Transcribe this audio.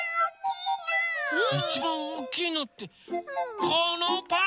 いちばんおおきいのってこのパン？